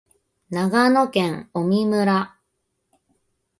長野県麻績村